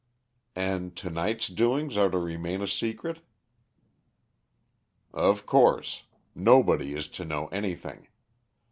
"And to night's doings are to remain a secret?" "Of course. Nobody is to know anything.